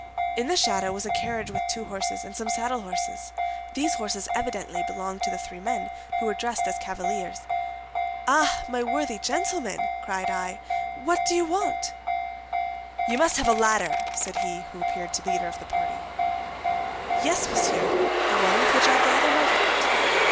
In the shadow was a carriage with two horses, and some saddlehorses. These horses evidently belonged to the three men, who were dressed as cavaliers. 'Ah, my worthy gentlemen,' cried I, 'what do you want?' 'You must have a ladder?' said he who appeared to be the leader of the party. 'Yes, monsieur, the one with which I gather my fruit.